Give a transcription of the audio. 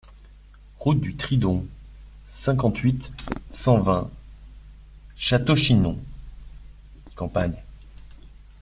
Route du Tridon, cinquante-huit, cent vingt Château-Chinon (Campagne)